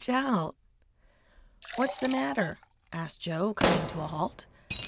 "What's the matter?" asked Joe, coming to a halt.